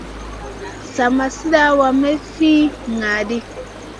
Sa ma suɗawa may fi ŋaʼaɗ ɗi.